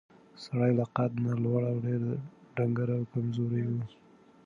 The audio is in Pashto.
سړی له قد نه لوړ او ډېر ډنګر او کمزوری و.